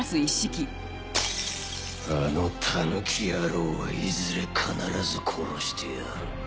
あの狸野郎はいずれ必ず殺してやる。